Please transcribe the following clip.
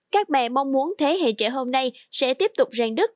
các mẹ mong muốn thế hệ trẻ hôm nay sẽ tiếp tục rèn đất